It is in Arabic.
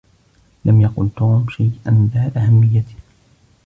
لم يقل توم شيئا ذا أهمية.